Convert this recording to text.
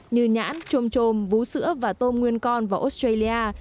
như nhãn trôm trôm vú sữa và tôm nguyên con vào australia